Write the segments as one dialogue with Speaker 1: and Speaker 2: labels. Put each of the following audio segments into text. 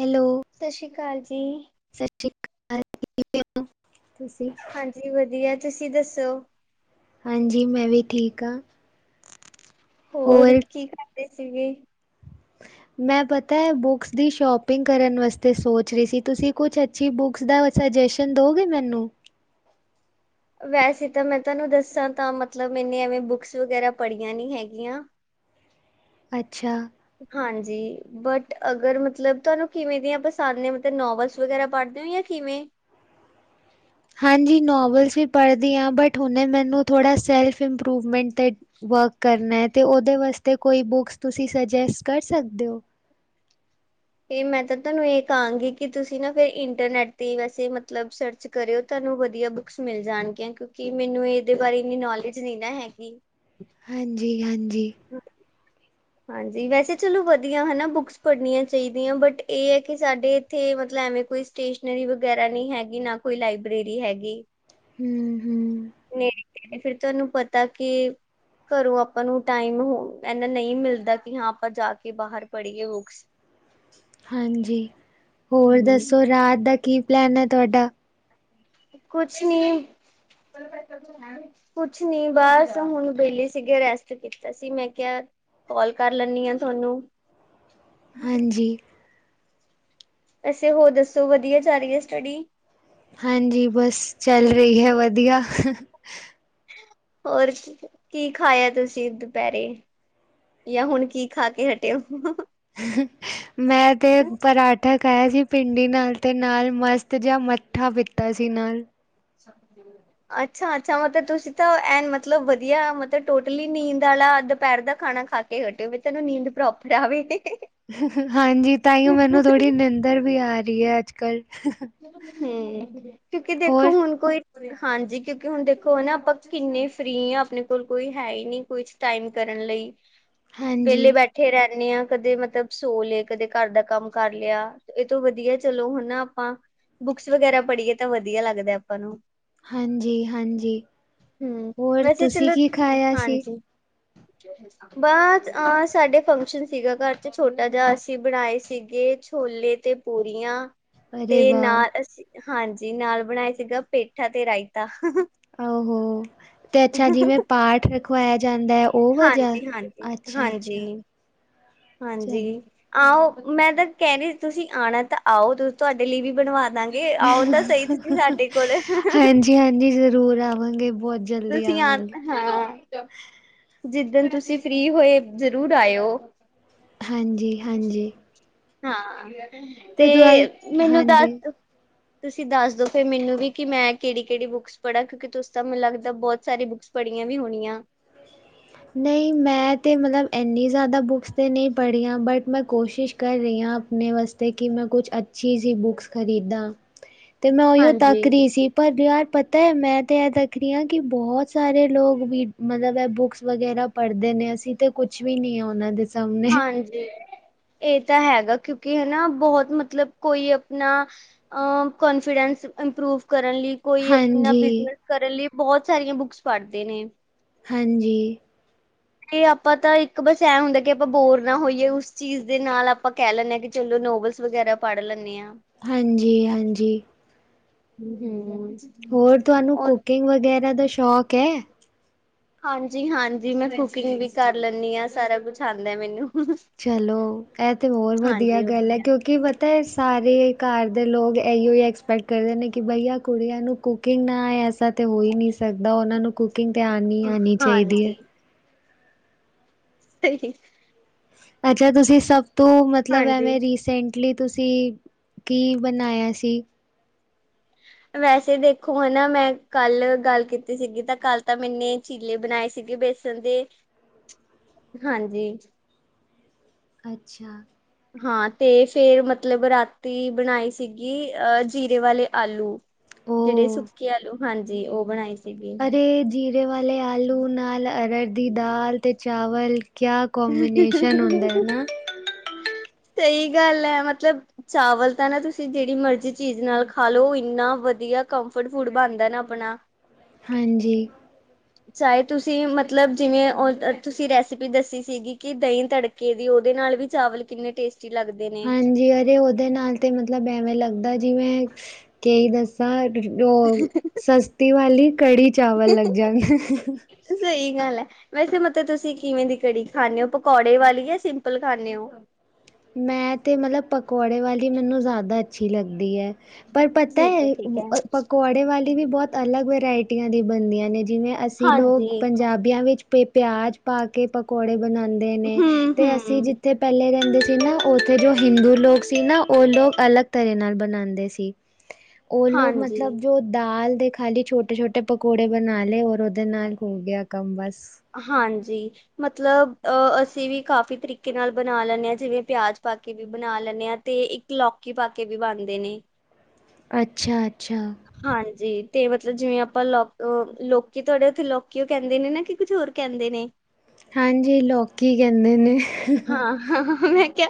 Speaker 1: Hello,
Speaker 2: ਸਤਿ ਸ੍ਰੀ ਅਕਾਲ ਜੀ।
Speaker 1: [unintelligible]
Speaker 2: ਹਾਂਜੀ, ਵਧੀਆ। ਤੁਸੀਂ ਦੱਸੋ?
Speaker 1: ਹਾਂਜੀ। ਮੈਂ ਵੀ ਠੀਕ ਹਾਂ।
Speaker 2: ਹੋਰ ਕੀ ਕਰ ਸੀਗੇ?
Speaker 1: ਮੈਂ ਪਤਾ ਬੁਕਸ ਦੀ ਸ਼ੋਪਿੰਗ ਕਰਨ ਵਾਸਤੇ ਸੋਚ ਰਹੀ ਸੀ। ਤੁਸੀਂ ਕੁਛ ਅਛੀ ਬੁਕਸ ਦਾ ਸ਼ਜੇਸ਼ਨ ਦੋਗੇ ਮੈਨੂੰ।
Speaker 2: ਪੈਸੇ ਤਾਂ ਮੈਂ ਤੁਹਾਨੂੰ ਦੱਸਾਂ ਤਾਂ ਮਤਲਬ ਮੈਨੇ ਐਵੇਂ ਬੁੱਕਸ ਵਗੈਰਾ ਪੜ੍ਹੀਆਂ ਨੀ ਹੈਗੀਆਂ।
Speaker 1: ਅੱਛਾ,
Speaker 2: ਜੀ ਬਟ ਅਗਰ ਮਤਲਬ ਤੁਹਾਨੂੰ ਕਿਵੇਂ ਦੀਆਂ ਪਸੰਦ ਨੇ ਮਤਲਬ ਨੋਵਲਸ ਵਗੈਰਾ ਪੜ੍ਹਦੇ ਹੋ ਜਾਂ ਕਿਵੇਂ
Speaker 1: ਹਾਂਜੀ ਨੋਵਲਸ ਵੀ ਪੜ੍ਹਦੀ ਹਾਂ ਬਟ ਹੁਣੇ ਮੈਨੂੰ ਥੋੜ੍ਹਾ ਸੈਲਫ ਇੰਪਰੂਵਮੈਂਟ 'ਤੇ ਵਰਕ ਕਰਨਾ ਹੈ ਅਤੇ ਉਹਦੇ ਵਾਸਤੇ ਕੋਈ ਬੁੱਕਸ ਤੁਸੀਂ ਸੁਜੈਸਟ ਕਰ ਸਕਦੇ ਹੋ
Speaker 2: ਤੇ ਮੈਂ ਤਾਂ ਤੁਹਾਨੂੰ ਇਹ ਕਹਾਂਗੀ ਕਿ ਤੁਸੀਂ ਨਾ ਫੇਰ ਇੰਟਰਨੈਟ ਤੇ ਵੈਸੇ ਮਤਲਬ ਸਰਚ ਕਰਿਓ ਤੁਹਾਨੂੰ ਵਧੀਆ ਬੁਕਸ ਮਿਲ ਜਾਣਗੀਆਂ ਕਿਉਂਕਿ ਮੈਨੂੰ ਇਹਦੇ ਬਾਰੇ ਇਨੀ ਨੋਲੇਜ ਨੀ ਨਾ ਹੈਗੀ
Speaker 1: ਹਾਂਜੀ ਹਾਂਜੀ ਜੀ
Speaker 2: ਹਾਂਜੀ ਵੈਸੇ ਚਲੋ ਵਧੀਆ ਹਨਾ, ਬੁੱਕਸ ਪੜ੍ਹਨੀਆਂ ਚਾਹੀਦੀਆਂ ਬਟ ਇਹ ਹੈ ਕਿ ਸਾਡੇ ਇੱਥੇ ਮਤਲਬ ਐਵੇਂ ਕੋਈ ਸਟੇਸ਼ਨਰੀ ਵਗੈਰਾ ਨਹੀਂ ਹੈਗੀ ਨਾ ਕੋਈ ਲਾਇਬ੍ਰੇਰੀ ਹੈਗੀ।
Speaker 1: ਹੂ
Speaker 2: ਨਹੀਂ। ਫਿਰ ਤੁਹਾਨੂੰ ਪਤਾ ਕਿ ਘਰੋਂ ਆਪਾਂ ਨੂੰ ਟਾਈਮ ਇਨਾ ਨਹੀਂ ਮਿਲਦਾ ਕਿ ਹਾਂ ਆਪਾਂ ਜਾ ਕੇ ਬਾਹਰ ਪੜ੍ਹੀਏ ਬੁੱਕਸ
Speaker 1: ਹਾਂਜੀ, ਹੋਰ
Speaker 2: ਹੂੰ
Speaker 1: ਦੱਸੋ ਰਾਤ ਦਾ ਕੀ ਪਲੈਨ ਹੈ ਤੁਹਾਡਾ
Speaker 2: ਕੁਛ ਨੀ ਕੁਛ ਨੀ ਬਸ ਹੁਣ ਵਿਹਲੀ ਸੀਗੇ ਰੈਸਟ ਕੀਤਾ ਸੀ ਮੈਂ ਕਿਹਾ ਕਾਲ ਕਰ ਲੈਦੀ ਆ ਥੋਨੂੰ
Speaker 1: ਹਾਂਜੀ
Speaker 2: ਤੁਸੀ ਹੋਰ ਦੱਸੋ ਵਧੀਆ ਚੱਲ ਰਹੀ ਹੈ ਸਟੱਡੀ?
Speaker 1: ਹਾਂਜੀ ਬਸ ਚੱਲ ਰਹੀ ਹੈ ਵਧੀਆ,
Speaker 2: ਹੋਰ ਕੀ ਖਾਇਆ ਤੁਸੀਂ ਦੁਪਹਿਰੇ ਯਾਹ ਹੁਣ ਕੀ ਖਾ ਕੇ ਹਟਿਓ
Speaker 1: [inaudible] ਮੈਂ ਤਾਂ ਪਰਾਂਠੇ ਖਾਇਆ ਸੀ ਪਿੰਡੀ ਨਾਲ ਤੇ ਨਾਲ ਮਸਤ ਜਾ ਮੱਠਾ ਪੀਤਾ ਸੀ ਨਾਲ
Speaker 2: ਅੱਛਾ-ਅੱਛਾ, ਮਤਲਬ ਤੁਸੀਂ ਤਾਂ ਐ ਮਤਲਬ ਵਧੀਆ ਮਤਲਬ ਟੋਟਲੀ ਨੀਂਦ ਵਾਲਾ ਦੁਪਹਿਰ ਦਾ ਖਾਣਾ ਖਾ ਕੇ ਘਟਿਓ ਵੀ ਤੈਨੂੰ ਨੀਂਦ ਪ੍ਰੋਪਰ ਆਵੇ
Speaker 1: ਹਾਂਜੀ ਤਾਂਹੀਓ ਮੈਨੂੰ ਥੋੜੀ ਨਿੰਦਰ ਵੀ ਆ ਰਹੀ ਜੀ ਹੈ ਅੱਜ ਕੱਲ
Speaker 2: ਹੂੰ, ਕਿਉਂਕਿ
Speaker 1: ਹੋਰ
Speaker 2: ਦੇਖੋ ਹੁਣ ਕੋਈ ਹਾਂਜੀ, ਕਿਉਂਕਿ ਹੁਣ ਦੇਖੋ ਨਾ ਆਪਾਂ ਕਿੰਨੇ ਫ੍ਰੀ ਹਾਂ ਆਪਣੇ ਕੋਲ ਕੋਈ ਹੈ ਹੀ ਨਹੀ ਕੁਛ ਟਾਈਮ ਕਰਨ ਲਈ
Speaker 1: ਹਾਂਜੀ
Speaker 2: ਵੇਲੇ ਬੈਠੇ ਰ ਆ ਕਦੇ ਮਤਲਬ ਸੋ ਲਏ ਕਦੇ ਘਰ ਦਾ ਕੰਮ ਕਰ ਲਿਆ ਇਹ ਤੋਂ ਵਧੀਆ ਚਲੋ ਹਨਾ ਆਪਾਂ ਬੁੱਕਸ ਵਗੈਰਾ ਪੜ੍ਹੀਏ ਤਾਂ ਵਧੀਆ ਲੱਗਦਾ ਆਪਾਂ ਨੂੰ
Speaker 1: ਹਾਂਜੀ-ਹਾਂਜੀ
Speaker 2: ਹੂੰ
Speaker 1: ਹੋਰ
Speaker 2: ਵੈਸੇ
Speaker 1: ਤੁਸੀਂ
Speaker 2: ਚਲੋ
Speaker 1: ਕੀ ਖਾਇਆ ਸੀ
Speaker 2: ਹਾਂਜੀ ਬਸ ਅਹ ਸਾਡੇ ਫੰਕਸ਼ਨ ਸੀਗਾ ਘਰ ਚ ਛੋਟਾ ਜਾ ਅਸੀਂ ਬਣਾਏ ਸੀਗੇ ਛੋਲੇ ਤੇ ਪੂਰੀਆਂ
Speaker 1: ਅਰੇ
Speaker 2: ਤੇ ਨਾਲ
Speaker 1: ਵਾਹ
Speaker 2: ਅਸੀਂ ਹਾਂਜੀ ਨਾਲ ਬਣਾਇਆ ਸੀਗਾ ਪੇਠਾ ਤੇ ਰਾਇਤਾ
Speaker 1: ਆਹੋ ਤੇ ਅੱਛਾ ਜਿਵੇਂ ਪਾਠ ਰਖਵਾਇਆ ਜਾਂਦਾ ਹੈ, ਉਹ ਵਜਾ
Speaker 2: ਹਾਂਜੀ ਹਾਂਜੀ
Speaker 1: ਅੱਛਾ-ਅੱਛਾ
Speaker 2: ਹਾਂਜੀ ਹਾਂਜੀ
Speaker 1: ਚਲੋ
Speaker 2: ਆਓ ਮੈਂ ਤਾਂ ਕਹਿ ਰਹੀ ਤੁਸੀਂ ਆਉਣਾ ਤਾਂ ਆਓ ਤੁਂ ਤੁਹਾਡੇ ਲਈ ਵੀ ਬਣਵਾ ਦਾਂਗੇ ਆਓ ਤਾਂ ਸਹੀ ਤੁਸੀਂ ਸਾਡੇ ਕੋਲ
Speaker 1: ਹਾਂਜੀ-ਹਾਂਜੀ ਜ਼ਰੂਰ ਆ ਅਵਾਗੇ।
Speaker 2: ਤੁਸੀਂ ਆ ਹਾਂ। ਜਿੱਦਣ ਤੁਸੀਂ ਫ੍ਰਰੀ ਹੋਏ ਜਰੂਰ ਆਇਓ।
Speaker 1: ਹਾਂਜੀ ਹਾਂਜੀ।
Speaker 2: ਹਾਂ। ਤੇ
Speaker 1: ਦੁਆਲ
Speaker 2: ਮੈਨੂੰ
Speaker 1: ਹਾਂਜੀ
Speaker 2: ਦੱਸ ਤੁਸੀਂ ਦੱਸ ਦੋ ਫੇਿਰ ਮੈਨੂੰ ਵੀ ਕਿ ਮੈਂ ਕਿਹੜੀ ਕਿਹੜੀ ਬੁੱਕਸ ਪੜ੍ਹਾਂ ਕਿਉਂਕਿ ਤੁਂ ਤਾਂ ਮੈਨੂੰ ਲੱਗਦਾ ਬਹੁਤ ਸਾਰੇ ਬੁੱਕਸ ਪੜ੍ਹੀਆਂ ਵੀ ਹੋਣੀਆਂ।
Speaker 1: ਨਹੀਂ ਮੈਂ ਤਾਂ ਮਤਲਬ ਇੰਨੀ ਜ਼ਿਆਦਾ ਬੁੱਕਸ ਤਾਂ ਨਹੀਂ ਪੜ੍ਹੀਆਂ ਬਟ ਮੈਂ ਕੋਸ਼ਿਸ਼ ਕਰ ਰਹੀ ਹਾਂ ਆਪਣੇ ਵਾਸਤੇ ਕਿ ਮੈਂ ਕੁਛ ਅੱਛੀ ਸੀਹੀ ਬੁੱਕਸ ਖ਼ਰੀਦਾਂ। ਤੇ ਮੈਂ ਉਹੀਓ ਤਕ ਰਹੀ
Speaker 2: ਹਾਂਜੀ-ਹਾਂਜੀ।
Speaker 1: ਸੀ [unintelligible] ਤੇ ਮੈਂ ਤੇ ਇਹ ਤਕਦੀ ਹਾਂ ਕਿ ਬਹੁਤ ਸਾਰੇ ਲੋਕ ਵੀ ਮਤਲਬ ਏ ਬੁੱਕਸ ਵਗੈਰਾ ਪੜ੍ਹਦੇ ਨੇ ਅਸੀਂ ਤੇ ਕੁੱਛ ਵੀ ਨੀ ਹੈ ਉਹਨਾਂ ਦੇ ਸਾਹਮਣੇ
Speaker 2: ਹਾਂਜੀ ਇਹ ਤਾਂ ਹੈਗਾ ਕਿਉ ਕਿ ਹਨਾ ਬਹੁਤ ਮਤਲਬ ਕੋਈ ਆਪਣਾ ਅ ਕਨਫੀਡੈਂਸ ਇੰਪਰੂਵ ਕਰਨ ਲਈ ਕੋਈ ਆਪਣਾ
Speaker 1: ਹਾਂਜੀ
Speaker 2: ਬਿਜਨਸ ਕਰਨ ਲਈ ਬਹੁਤ ਸਾਰੀਆਂ ਬੁੱਕਸ ਪੜ੍ਹਦੇ ਨੇ।
Speaker 1: ਹਾਂਜੀ।
Speaker 2: ਤੇ ਆਪਾਂ ਤਾਂ ਇੱਕ ਬਸ ਇਹ ਹੁੰਦਾ ਕਿ ਆਪਾਂ ਬੋਰ ਨਾ ਹੋਈਏ ਉਸ ਚੀਜ਼ ਦੇ ਨਾਲ ਆਪਾਂ ਕਹਿ ਲੈਂਦੇ ਹਾਂ ਕਿ ਚਲੋ ਨੋਵਲਸ ਵਗੈਰਾ ਪੜ੍ਹ ਲੈਂਦੇ ਹਾਂ।
Speaker 1: ਹਾਂਜੀ ਹਾਂਜੀ।
Speaker 2: ਹਮ।
Speaker 1: ਹੋਰ ਤੁਹਾਨੂੰ ਕੁਕਿੰਗ ਵਗੈਰਾ [inaudible] ਸ਼ੋਕ ਹੈ?
Speaker 2: ਹਾਂਜੀ ਹਾਂਜੀ ਮੈਂ ਕੁਕਿੰਗ ਵੀ ਕਰ ਲੈਂਨੀਂ ਹਾਂ ਸਾਰਾ ਕੁਛ ਆਉਂਦਾ ਮੈਨੂੰ।
Speaker 1: ਚਲੋ ਇਹ ਤੇ ਹੋਰ ਵਧੀਆ ਗੱਲ ਏ ਕਿਉਂਕਿ ਤੇ ਸਾਰੇ ਘਰ ਦੇ ਲੋਕ ਇਹੀੋ ਈ ਐਕਸਪੈਕਟ ਕਰਦੇ ਨੇ ਕਿ ਬਈਆ ਕੁੜੀਆਂ ਨੂੰ ਕੁਕਿੰਗ ਨਾ ਆਏ ਐਸਾ ਤਾਂ ਹੋ ਹੀ ਨਹੀਂ ਸਕਦਾ ਉਹਨਾਂ ਨੂੰ ਕੁਕ ਕੁਕਿੰਗ ਤੇਆ ਨਹੀਂ ਆਉਣੀ ਚਾਹੀਦੀ
Speaker 2: ਹਾਂਜੀ
Speaker 1: ਹੈ।
Speaker 2: ਸਹੀ।
Speaker 1: ਅੱਛਾ ਤੁਸੀਂ ਸਭ ਤੋਂ ਮਤਲਬ
Speaker 2: ਹਾਂਜੀ
Speaker 1: ਐਵੇਂ ਰੀਸੈਂਟਲੀ ਤੁਸੀਂ ਕੀ ਬਣਾਇਆ ਸੀ?
Speaker 2: ਵੈਸੇ ਦੇਖੋ ਹਨਾ ਮੈਂ ਕੱਲ ਗੱਲ ਕੀਤੀ ਸੀਗੀ ਤਾਂ ਕੱਲ ਤਾਂ ਮੈਨੇ ਚੀਲੇ ਬਣਾਏ ਸੀਗੇ ਬੇਸਣ ਦੇ ਹਾਂਜੀ।
Speaker 1: ਅੱਛਾ।
Speaker 2: ਹਾਂ ਤੇ ਫੇਰ ਮਤਲਬ ਰਾਤੀ ਬਣਾਈ ਸੀਗੀ ਅਹ ਜੀਰੇ ਵਾਲੇ ਆਲੂ। ਜਿਹੜੇ
Speaker 1: ਉਹ
Speaker 2: ਸੁੱਕੇ ਆਲੂ ਹਾਂਜੀ। ਜੀ ਉਹ ਬਣਾਈ। ਸੀਗੀ
Speaker 1: ਅਰੇ ਜੀਰੇ ਵਾਲੇ ਆਲੂ ਨਾਲ ਅਰਹਰ ਦੀ ਦਾਲ ਤੇ ਚਾਵਲ ਕਿਆ ਕੰਬੀਨੇਸ਼ਨ ਹੁੰਦਾ ਹੈ ਨਾ।
Speaker 2: ਸਹੀ ਗੱਲ ਹੈ ਮਤਲਬ ਚਾਵਲ ਤਾਂ ਨਾ ਤੁਸੀਂ ਜਿਹੜੀ ਮਰਜ਼ੀ ਚੀਜ਼ ਨਾਲ ਖਾ ਲਓ ਇੰਨਾ ਵਧੀਆ ਕੰਫਰਟ ਫੁਡ ਬਣਦਾ ਨਾ ਆਪਣਾ
Speaker 1: ਹਾਂਜੀ,
Speaker 2: ਚਾਹੇ ਤੁਸੀਂ ਮਤਲਬ ਜਿਵੇਂ ਉਹ ਤੁਸੀਂ ਰੈਸਿਪੀ ਦੱਸੀ ਸੀਗੀ ਕਿ ਦਹੀਂ ਤੱੜਕੇ ਦੀ ਉਹਦੇ ਨਾਲ ਵੀ ਚਾਵਲ ਕਿੰਨੇ ਟੇਸਟੀ ਲੱਗਦੇ ਨੇ
Speaker 1: ਹਾਂਜੀ ਅਰੇ ਉਹਦੇ ਨਾਲ ਤੇ ਮਤਲਬ ਐਵੇਂ ਲੱਗਦਾ ਜਿਵੇਂ ਕਈ ਦੱਸ ਸਤ ਉਹ ਸਸਤੀ ਵਾਲੀ ਕੜੀ ਚਾਵਲ ਲੱਗ ਜਾਗੇ
Speaker 2: ਸਹੀ ਗੱਲ ਹੈ ਵੈਸੇ ਮਤਲਬ ਤੁਸੀਂ ਕਿਵੇਂ ਦੀ ਕੜੀ ਖਾਂਦੇ ਹੋ ਪਕੌੜੇ ਵਾਲੀ ਜਾਂ ਸਿੰਪਲ ਖਾਂਦੇ ਹੋ
Speaker 1: ਮੈਂ ਤੇ ਮਤਲਬ ਪਕੌੜੇ ਵਾਲੀ ਮੈਨੂੰ ਜ਼ਿਆਦਾ ਅੱਛੀ ਲੱਗਦੀ ਹੈ ਪਰ ਪਤਾ ਹੈ ਪਕੌੜੇ ਵਾਲੀ ਵੀ ਬਹੁਤ ਅਲੱਗ ਵਰਾਇਟੀਆਂ ਦੀ ਬਣਦੀਆਂ ਨੇ ਜਿਵੇਂ ਅਸੀਂ ਲੋਕ
Speaker 2: ਹਾਂਜੀ
Speaker 1: ਪੰਜਾਬੀਆਂ ਵਿੱਚ ਪਿਆਜ ਪਾ ਕੇ ਪਕੌੜੇ ਬਣਾਉਂਦੇ ਨੇ
Speaker 2: ਹਮ
Speaker 1: ਤੇ ਅਸੀਂ
Speaker 2: ਹਮ
Speaker 1: ਜਿੱਥੇ ਪਹਿਲੇ ਰਹਿੰਦੇ ਸੀ ਨਾ ਉੱਥੇ ਜੋ ਹਿੰਦੂ ਲੋਕ ਸੀ ਨਾ ਉਹ ਲੋਕ ਅਲੱਗ ਤਰ੍ਹਾਂ ਨਾਲ ਬਣਾਉਂਦੇ ਸੀ ਉਹ ਲੋਕ
Speaker 2: ਹਾਂਜੀ
Speaker 1: ਮਤਲਬ ਜੋ ਦਾਲ ਦੇ ਖਾਲੀ ਛੋਟੇ ਛੋਟੇ ਪਕੌੜੇ ਬਣਾ ਲਏ ਔਰ ਉਹਦੇ ਨਾਲ ਹੋ ਗਿਆ ਕੰਮ ਬਸ
Speaker 2: ਹਾਂਜੀ ਮਤਲਬ ਅ ਅਸੀਂ ਵੀ ਕਾਫੀ ਤਰੀਕੇ ਨਾਲ ਬਣਾ ਲੈਂਦੇ ਹਾਂ ਜਿਵੇਂ ਪਿਆਜ ਪਾਕੇ ਵੀ ਬਣਾ ਲੈਂਦੇ ਹਾਂ ਤੇ ਇੱਕ ਲੌਕੀ ਪਾਕੇ ਵੀ ਬਣਦੇ ਨੇ
Speaker 1: ਅੱਛਾ
Speaker 2: ਹਾਂਜੀ ਤੇ ਮਤਲਬ ਜਿਵੇਂ ਆਪਾਂ ਲੋਕ ਲੋਕੀ ਤੁਹਾਡੇ ਉੱਥੇ ਲੋਕੀ ਕਹਿੰਦੇ ਨੇ ਨਾ ਕਿ ਕੁਝ ਹੋਰ ਕਹਿੰਦੇ ਨੇ
Speaker 1: ਹਾਂਜੀ ਲੋਕੀ ਕਹਿੰਦੇ ਨੇ
Speaker 2: ਹਾਂ ਹਾਂ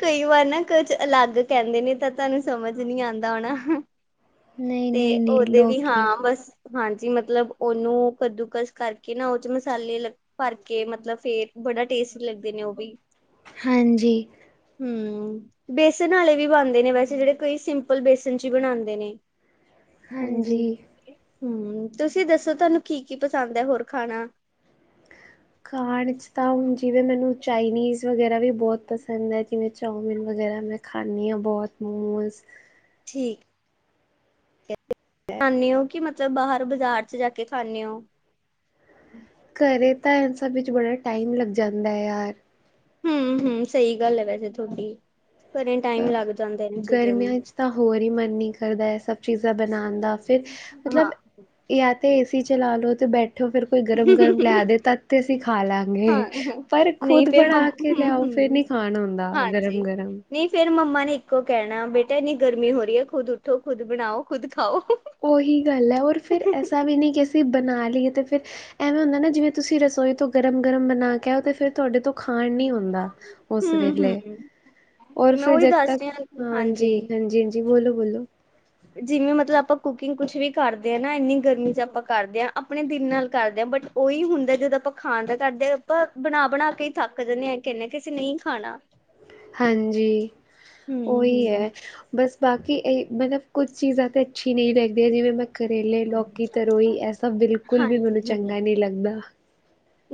Speaker 2: ਕਈ ਵਾਰ ਨਾ ਕੁਝ ਅਲੱਗ ਕਹਿੰਦੇ ਨੇ ਤਾਂ ਤੁਹਾਨੂੰ ਸਮਝ ਨੀ ਆਉਂਦਾ ਹੋਣਾ ਤੇ
Speaker 1: ਨਹੀਂ-ਨਹੀਂ-ਨਹੀਂ
Speaker 2: ਉਹਦੇ ਵੀ
Speaker 1: ਲੌਕੀ
Speaker 2: ਹਾਂ ਬਸ ਹਾਂਜੀ ਮਤਲਬ ਉਹਨੂੰ ਕੱਦੂਕਸ ਕਰਕੇ ਨਾ ਉਹ ਚ ਮਸਾਲੇ ਭਰ ਕੇ ਮਤਲਬ ਫੇਰ ਬੜਾ ਟੇਸਟੀ ਲੱਗਦੇ ਨੇ ਉਹ ਬਈ [unintelligible]
Speaker 1: ਹਾਂਜੀ
Speaker 2: ਹਮ ਬੇਸਨ ਵਾਲੇ ਵੀ ਬਣਦੇ ਨੇ ਵੈਸੇ ਜਿਹੜੇ ਕੋਈ ਸਿੰਪਲ ਬੇਸਨ ਚ ਬਣਾਉਂਦੇ ਨੇ
Speaker 1: ਹਾਂਜੀ
Speaker 2: ਹਮ ਤੁਸੀਂ ਦੱਸੋ ਤੁਹਾਨੂੰ ਕੀ ਕੀ ਪਸੰਦ ਹੈ ਹੋਰ ਖਾਣਾ
Speaker 1: ਖਾਣ ਚ ਤਾਂ ਹੁਣ ਜਿਵੇਂ ਮੈਨੂੰ ਚਾਈਨੀਜ਼ ਵਗੈਰਾ ਵੀ ਬਹੁਤ ਪਸੰਦ ਹੈ ਜਿਵੇਂ ਚਾਮਿਨ ਵਗੈਰਾ ਮੈਂ ਖਾਂਦੀ ਹਾਂ ਬਹੁਤ ਮੋਮੋਸ
Speaker 2: ਠੀਕ ਖਾਂਦੇ ਹੋ ਕਿ ਮਤਲਬ ਬਾਹਰ ਬਾਜ਼ਾਰ ਚ ਜਾ ਕੇ ਖਾਂਦੇ ਹੋ
Speaker 1: ਘਰੇ ਤਾਂ ਐ ਸਭ ਵਿੱਚ ਬੜਾ ਟਾਈਮ ਲੱਗ ਜਾਂਦਾ ਹੈ ਯਾਰ
Speaker 2: ਹਮ ਹਮ ਸਹੀ ਗੱਲ ਹੈ ਵੈਸੇ ਤੁਹਾਡੀ ਘਰੇ ਟਾਈਮ
Speaker 1: ਅ
Speaker 2: ਲੱਗ ਜਾਂਦਾ ਇਹਨਾਂ ਚੀਜ਼ਾਂ ਨੂੰ
Speaker 1: ਗਰਮੀਆਂ ਚ ਤਾਂ ਹੋਰ ਹੀ ਮਨ ਨ ਕਰਦਾ ਇਸ ਸਭ ਚੀਜ਼ਾਂ ਉਣ ਦਾ ਫਿਰ ਮਤਲਬ
Speaker 2: ਹਾਂ।
Speaker 1: ਯਾ ਤੇ ਚਲਾ ਲਓ ਤੇ ਬੈਠ ਫਿਰ ਕੋਈ ਗਰਮ ਗਰਮ ਲਿਆ ਦੇ ਤਦ ਤੇ ਅਸੀਂ ਖਾ ਲਾਂਗੇ
Speaker 2: ਹਾਂ,
Speaker 1: ਪਰ
Speaker 2: ਨਹੀਂ
Speaker 1: ਖੁਦ
Speaker 2: ਫੇਰ ਮੰ
Speaker 1: ਬਣਾ ਕੇ ਲਿਆਓ ਫੇਿਰ ਨੀ
Speaker 2: ਹੂੰ-ਹੂੰ,
Speaker 1: ਖਾਣ ਹੁੰਦਾ ਗਰਮ
Speaker 2: ਹਾਂਜੀ।
Speaker 1: ਗਰਮ
Speaker 2: ਨਹੀਂ ਫੇਰ ਮੰਮਾ ਇੱਕੋ ਕਹਿਣਾ ਬੇਟਾ ਇੰਨੀ ਗਰਮੀ ਹੋ ਰਹੀ ਹੈ ਖੁਦ ਉੱਠੋ ਖੁਦ ਬਣਾਓ ਖੁਦ ਖਾਓ।
Speaker 1: ਉਹੀ ਗੱਲ ਹੈ ਔਰ ਫੇਿਰ ਐਸਾ ਵੀ ਨਹੀਂ ਕਿ ਅਸੀਂ ਬਣਾ ਲਈ ਅਤੇ ਫਿਰ ਐਵੇਂ ਹੁੰਦਾ ਨਾ ਜਿਵੇਂ ਤੁਸੀਂ ਰਸੋਈ ਤੋਂ ਗਰਮ ਗਰਮ ਬਣਾ ਕੇ ਆਓ ਤੇ ਫਿਰ ਤੁਹਾਡੇ ਤੋਂ ਖਾਣ ਨੀ ਹੁੰਂਦਾ ਉਸ ਵੇਲੇ
Speaker 2: ਹੂੰ-ਹੂੰ,
Speaker 1: ਹੋਰ
Speaker 2: ਮੈਂ
Speaker 1: ਫਰ
Speaker 2: ਉਹੀ
Speaker 1: ਜਦ
Speaker 2: ਦੱਸ
Speaker 1: ਤੱਕ
Speaker 2: ਰਹੀ ਹਾਂ
Speaker 1: ਹਾਂਜੀ ਹਾਂਜੀ ਹਜੀ ਬੋਲੋ ਵੋੱਲੋ
Speaker 2: ਜਿਵੇਂ ਮਤਲਬ ਆਪਾਂ ਕੁਕਿੰਗ ਕੁਛ ਵੀ ਕਰਦੇ ਆ ਨਾ ਇਨੀ ਗਰਮੀ ਚ ਆਪਾਂ ਕਰਦੇ ਆਾਂ ਆਪਣੇ ਦਿਿਲ ਨਾਲ ਕਰਦੇ ਆਾਂ ਬਟ ਉਓਹੀ ਹੁੰਦਾ ਜਦੋਂ ਆਪਾਂ ਖਾਣ ਦਾ ਕਰਦੇ ਆਪ ਬਣਾ ਬਣਾ ਕੇ ਥੱਕ ਜਾਂਦੇ ਆ ਕਹਨਦੇ ਅਸੀਂ ਨਹੀਂ ਖਾਣਾ
Speaker 1: ਹਾਂਜੀ ਉਹੀ
Speaker 2: ਹੂੰ-ਹੂੰ
Speaker 1: ਹੈ ਬਸ ਬਾਕੀ ਇਹ ਮਤਲਬ ਕੁੱਝ ਚੀਜ਼ਾਂ ਤਾਂ ਅੱਛੀ ਨਹੀਂ ਲੱਗਦੀਆਂ ਜਿਵੇਂ ਮੈਂ ਕਰੇਲੇ ਲੌਕੀ ਤਰੋਈ ਐਸਾ ਬਿਲਕੁਲ ਵੀ ਮੈਨੂੰ
Speaker 2: ਹਾਂਜੀ ਹਾਂਜੀ
Speaker 1: ਚੰਗਾ ਨਹੀਂ ਲੱਗਦਾ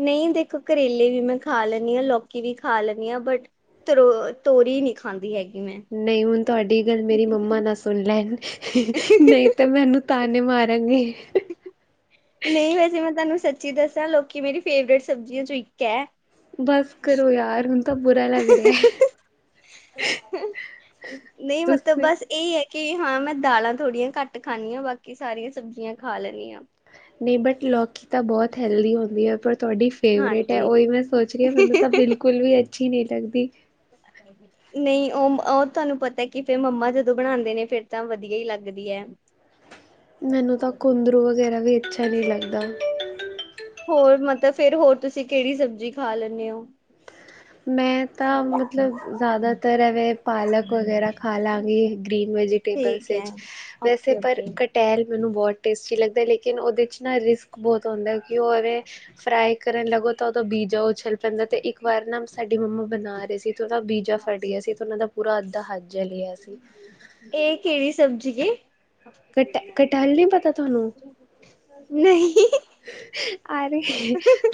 Speaker 2: ਨਹੀਂ ਦੇਖੋ ਕਰੇਲੇ ਵੀ ਮੈਂ ਖਾ ਲੈਂਦੀ ਹਾਂ ਲੌਕੀ ਵੀ ਖਾ ਲੈਂਦੀ ਹਾਂ ਬਟ ਤਰੋ ਤੋਰੀ ਨਹੀਂ ਖਾਂਦੀ ਹੈਗੀ ਮੈਂ
Speaker 1: ਨਹੀਂ ਹੁਣ ਤੁਹਾਡੀ ਗੱਲ ਮੇਰੀ ਮੰਮਾ ਨਾਲ ਸੁਣ ਲੈਣ ਨਹੀਂ ਤੇ ਮੈਨੂੰ ਤਾਂ ਨੇ ਮਾਰ ਰਗੀ
Speaker 2: ਨਹੀਂ ਵੈਸੇ ਮੈਂ ਤੁਹਾਨੂੰ ਸੱਚੀ ਦੱਸਿਆ ਲੋਕੀ ਮੇਰੀ ਫੇਵਰੇਟ ਸਬਜ਼ੀਆਂ ਚੋਂ ਇੱਕ ਹੈ
Speaker 1: ਬਸ ਕਰੋ ਯਾਰ ਹੁੰਦਾ ਤਾਂ ਬੁਰਾ ਲੱਗ ਰਿਹਾ
Speaker 2: ਨਹੀਂ ਮਤਲਬ
Speaker 1: ਤੁਸੀਂ
Speaker 2: ਬਸ ਇਹ ਹੈ ਕੀ ਹਾਂ ਮੈਂ ਦਾਲਾਂ ਥੋੜੀਆਂ ਘੱਟ ਖਾਂਦੀ ਹਾਂ ਬਾਕੀ ਸਾਰੀਆਂ ਸਬਜ਼ੀਆਂ ਖਾ ਲੈਣੀ ਹਾਂ
Speaker 1: ਨਹੀਂ ਬਟ ਲੋਕੀ ਤਾਂ ਬਹੁਤ ਹੈਲਦੀ ਹੁੰਦੀ ਹੈ ਪਰ ਤੁਹਾਡੀ ਫੇਵਰੇਟ ਹੈ
Speaker 2: ਹਾਂਜੀ।
Speaker 1: ਉਓਹੀ ਮੈਂ ਸੋਚ ਰਹੀ ਹ ਮੈਨੂੰ ਤਾਂ ਬਿਲਕੁਲ ਵੀ ਅੱਛੀ ਨਹੀਂ ਲੱਗਦੀ
Speaker 2: ਨਹੀਂ ਉਹ ਉਹ ਤੁਹਾਨੂੰ ਪਤਾ ਕਿ ਫੇਰ ਮੰਮਾ ਜਦੋਂ ਬਣਾਉਂਦੇ ਨੇ ਫੇਿਰ ਤਾਂ ਵਧੀਆ ਹੀ ਲੱਗਦੀ ਹੈ
Speaker 1: ਮੈਨੂੰ ਤਾਂ ਕੁੰਦਰੂ ਵਗੈਰਾ ਵੀ ਅੱਛਾ ਨੀ ਲੱਗਦਾ ਦਾ
Speaker 2: ਹੋਰ ਮਤਲਬ ਫੇਰ ਹੋਰ ਤੁਸੀਂ ਕਿਹੜੀ ਸਬਜ਼ੀ ਖਾ ਲੈਂਦੇ ਹੋ
Speaker 1: ਮੈਂ ਤਾਂ ਮਤਲਬ ਜ਼ਿਆਦਾਤਰ ਐਵੇਂ ਪਾਲਕ ਵਗੈਰਾ ਖਾ ਲਵਾਂਗੀ ਗ੍ਰੀਨ ਵੈਜੀਟੇਬਲਸ
Speaker 2: ਠੀਕ ਹੈ
Speaker 1: ਵਿੱਚ ਵੈਸੇ
Speaker 2: ਓਕੇ
Speaker 1: ਪਰ
Speaker 2: ਓਕੇ।
Speaker 1: ਕਟੈਲ ਮੈਨੂੰ ਬਹੁਤ ਟੇਸਟੀ ਲੱਗਦਾ ਲੇਕਿਨ ਉਹਦੇ 'ਚ ਰਿਸਕ ਬਹੁਤ ਹੁੰਦਾ ਕਿ ਹੋਰ ਇਹ ਫਰਾਾਈ ਕਰਨ ਲਗੋ ਤਾਂ ਉਹ ਤਾਂ ਬੀਜ ਜਾਓ ਛੱਲ ਪੈਂਦਾ ਤੇ ਇੱਕ ਵਾਰ ਸਾਡੀ ਮੰਮਾ ਬਣਾ ਰਹੇ ਸੀ ਤੇ ਉਹ ਦਾ ਬੀਜਾ ਫਟ ਗਿਆ ਸੀ ਤੇ ਉਹਨਾਂ ਦਾ ਪੂਰਾ ਤਾਂਹਾ
Speaker 2: ਇਹ ਕਿਹੜੀ ਸਬਜ਼ੀ
Speaker 1: ਕਟ ਕਟਲ ਨੀ ਪਤਾ ਤੁਹਾਨੂੰ
Speaker 2: ਨਹੀਂ
Speaker 1: ਅਰੇ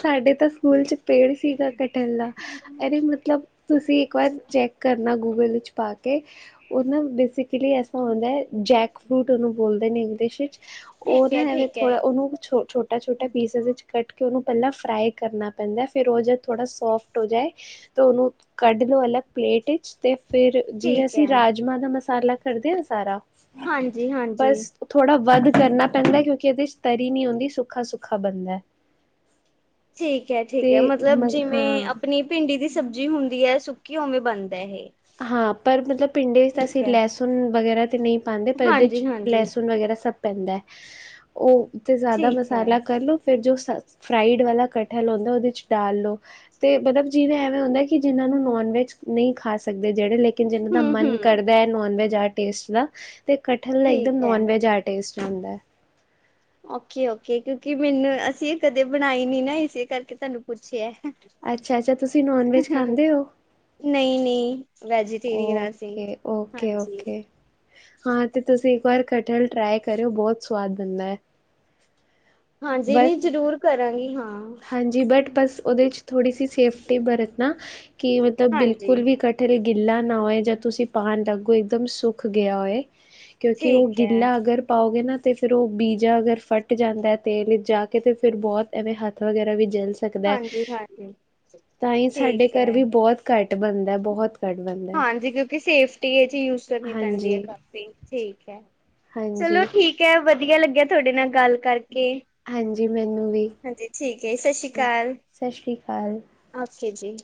Speaker 1: ਸਾਡੇ ਤਾਂ ਸਕੂਲ ਚ ਪੇੜ ਸੀਗਾ ਕਟਲਲਾ ਅਰੇ ਮਤਲਬ ਤੁਸੀਂ ਇੱਕ ਵਾਰ ਚੈੱਕ ਕਰਨਾ ਗੂਗਲ ਵਿੱਚ ਪਾ ਕੇ ਬ ਬ ਰ ਬ ਮ ਫਰੂਟ ਉਨੂੰ ਬੋਲਦੇ ਨੇ ਇੰਗਲਿਸ਼ ਇਚ ਉਹ
Speaker 2: ਠੀਕ
Speaker 1: ਨਾ
Speaker 2: ਹੈ
Speaker 1: ਐਵੇਂ
Speaker 2: ਠੀਕ ਹੈ
Speaker 1: ਥੋੜ੍ਹਾ ਉਹਨੂੰ ਛ ਛੋਟਾ ਛੋਟਾ ਪੀਸ ਵਿੱਚ ਕੱਟ ਕੇ ਉਹਨੂੰ ਪਲਾਂ ਫਰਾਏ ਕਰਨਾ ਪੈਂਦਾ। ਫੇਰ ਉ ਜਦ ਥੋੜ੍ਹਾ ਸੋਫਟ ਹੋ ਜਾਏ ਤਾਂ ਉਨੂੰ ਕੱਢ ਲਓ ਅਲੱਗ ਪਲੇਟ ਇਚ ਤੇ ਫੇਰ। ਜਿਵੇਂ
Speaker 2: ਠੀਕ
Speaker 1: ਅਸੀਂ ਰਾਜਮਾਂ ਦਾ ਮਸ ਤਾਰਲਾ ਕਰਦੇ ਉ ਸਾਰਾ?
Speaker 2: ਹਾਂਜ
Speaker 1: ਬਸ ਥੋੜਾ ਵੱਧ ਕਰਨਾ ਪੈਂਦੇ। ਕਿਉਂਕਿ ਏਦੇ ਚ ਤਰੀ ਨੀ ਹੁੰਦੀ ਸੁੱਖਾ- ਸੁੱਖਾ ਬਣਦੇ।
Speaker 2: ਠੀਕ ਐ-ਠੀਕ ਐ। ਮਤਲਬ ਜਿਵੇਂ
Speaker 1: ਹਾਂ
Speaker 2: ਆਪਣੀ ਪਿੰਡੀ ਦੀ ਸ ਸਬਜ਼ੀ ਹੁੰਦੀ ਐ। ਸੁੱਕੀ ਓਵੇਂ ਬਣ ਦਾ ਇਹ
Speaker 1: ਹਾਂ ਪਰ ਮਤਲਬ ਪਿੰਡ ਚ
Speaker 2: ਠੀਕ
Speaker 1: ਅਸੀਂ
Speaker 2: ਹੈ
Speaker 1: ਲੇਸੁਣ ਵਗੈਰਾ ਫਿਰ ਨਹੀਂ ਪਾਂਦੇ। ਪਰ ਏਦੇ ਚ
Speaker 2: ਹਾਂਜੀ ਹਾਂਜੀ
Speaker 1: ਲੇਸੁਣ ਵਗੈਰਾ ਸਭ ਪੈਂਦਾ ਐ ਔ ਤੇ ਜਿਆਦਾ
Speaker 2: ਠੀਕ ਹੈ
Speaker 1: ਮਸਾਲਾ ਕਰਲੋ ਫੇਰ ਜੋ ਸ ਫਰਾਈਡ ਵਾਲਾ ਕਠਹਲ ਹੁੰਦਾ ਉਹਦੇ ਚ ਡਾਲ ਲੋ ਤੇ ਮਲਬ ਜਿਵੇਂ ਐਵੇਂ ਹੁੰਦਾ ਏ ਕਿ ਜਿਹਨਾਂ ਨੂੰ ਨੋਨ ਵੈਜ ਨਈ ਖਾ ਸਕ ਦੇ ਜਿਹੜੇ ਲਾ ਜਿੰਨਾ ਦਾ
Speaker 2: ਹੂੰ
Speaker 1: ਮਨ
Speaker 2: ਹੂੰ
Speaker 1: ਕਰਦਾ ਐ। ਨੋਨ ਵੈਜ ਆਟ ਟੇਸਟ ਦਾ ਤੇ ਕਟਹਲ ਦਾ ਇੱਕ ਦਮ
Speaker 2: ਠੀਕ ਹੈ।
Speaker 1: ਨੋਨ ਵੈਜ ਆ ਟੇਸਟ। ਆਂਦਾ
Speaker 2: ਓਕੇ- ਓਕੇ। ਕਿਉਂਕਿ ਮੈਨੂੰ ਅਸੀਂ ਇਹ ਕਦੇ ਬਣਾਈ ਨੀ ਨਾ ਇਸੇ ਕਰਕੇ ਤਨੂੰ ਪੁੱਛਿਆ।
Speaker 1: ਅੱਛਾ-ਅੱਛਾ। ਤੁਸੀਂ ਨੋਨ ਵੈਜ ਖਾਂਦੇ ਔ?
Speaker 2: ਨਹੀਂ ਨਹੀਂ ਵੈਜੀਟੇਰੀਅਨ ਆ ਅਸੀਂ
Speaker 1: ਓਕੇ-ਓਕੇ-ਓਕੇ। ਹਾਂ ਤੇ ਤੁਸੀਂ ਇੱਕ ਵਾਰ ਕਟਹਲ ਟਰਾਏ ਕਰਿਓ। ਬੋਤ ਸਵਾਦ ਬਣਦਾ ਐ।
Speaker 2: ਹਾਂਜੀ ਨੀ ਜਰੂਰ ਕਰਾਂਗੀ। ਹਾਂ।
Speaker 1: ਹਾਂਜੀ। ਬਟ ਬਸ ਉਦੇ ਚ ਥੋੜੀ ਸੀ ਸੇਫਟੀ ਬਰਤਨਾ। ਕਿ ਮਤਲਬ
Speaker 2: ਹਾਂਜੀ
Speaker 1: ਬਿਲਕੁਲ ਵੀ ਕਠਰਲ ਗਿੱਲਾ ਨਾ ਹੋਏ । ਜਦ ਤੁਸੀਂ ਪਾਣ ਲੱਗੋ ਇੱਕਦਮ ਸੁੱਕ ਗਿਆ ਹੋਏ। ਕਿਉਂਕਿ ਉ
Speaker 2: ਠੀਕ ਹੈ
Speaker 1: ਗਿੱਲਾ ਅਗਰ ਪਾਓਗੇ ਨਾ ਤੇ ਫੇਰ ਓ ਬੀਜਾ ਅਗਰ ਫੱਟ ਜਾਂਦੇ ਤੇਲ ਵਿੱਚ ਜਾ ਕੇ ਤੇ ਫੇਰ ਬੋਤ ਐਵੇਂ ਹੱਥ ਵਗੈਰਾ ਵੀ ਜਲ ਸਕਦਾ
Speaker 2: ਹਾਂਜੀ ਹਾਂਜੀ
Speaker 1: ਤਾਂਈ ਸਾਡੇ
Speaker 2: ਠੀਕ
Speaker 1: ਘਰ
Speaker 2: ਹੈ।
Speaker 1: ਵੀ ਬਹੁਤ ਘੱਟ ਬਣਦਾ ਬਹੁਤ ਘੱਟ ਬਣਦਾ।
Speaker 2: ਹਾਂਜੀ ਕਿਉਂਕਿ ਸੇਫਟੀ ਇਹ ਚ ਯੂਜ ਕਰਨੀ ਪੈਂਦੀ ਹੈ
Speaker 1: ਹਾਂਜੀ,
Speaker 2: ਕਾਫ਼ੀ ਠੀਕ ਹੈ ਚਲੋ
Speaker 1: ਹਾਂਜੀ,
Speaker 2: ਠੀਕ ਹੈ ਵਧੀਆ ਲੱਗਿਆ ਤੁਹਾਡੇ ਨਾਲ ਗੱਲ ਕਰ
Speaker 1: ਹਾਂਜੀ ਮੈਨੂੰ ਵੀ
Speaker 2: ਠੀਕ ਹੈ ਸਤਿ ਸ਼੍ਰੀ
Speaker 1: ਸਤਿ ਸ੍ਰੀ ਅਕਾਲ
Speaker 2: ਕੇ ਜੀ